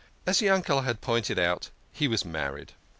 As Yankele' had pointed out, he was married.